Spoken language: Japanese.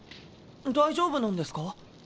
大丈夫なんですか？